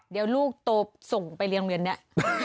เดี๋ยวลูกโตส่งไปเรียงเรียนเนี่ย